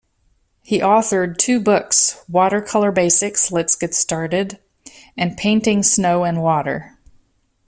He authored two books, "Watercolour Basics: Let's Get Started" and "Painting Snow and Water".